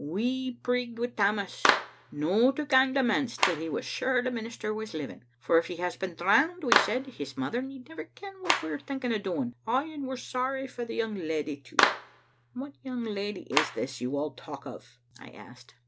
••We prigged wi' Tammas no to gang to the manse till we was sure the minister was living. *For if he has been drowned,* we said, *his mother need never ken what we were thinking o' doing. ' Ay, and we're sorry for the yotmg leddy, too. "" What young lady is this you all talk of?" I asked.